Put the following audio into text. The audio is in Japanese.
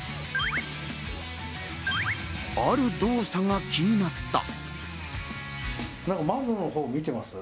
ある動作が気になった。